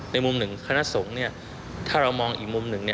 มุมหนึ่งคณะสงฆ์ถ้าเรามองอีกมุมหนึ่ง